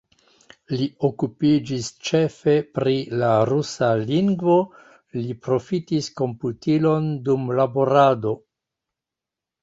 Li okupiĝis ĉefe pri la rusa lingvo, li profitis komputilon dum laborado.